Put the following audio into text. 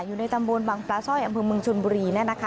อยู่ในตำรวจบังปลาซ่อยอำเภอเมืองชุนบุรีนะคะ